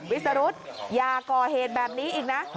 วิสรุธอย่าก่อเหตุแบบนี้อีกนะ